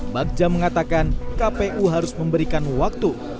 bagja mengatakan kpu harus memberikan waktu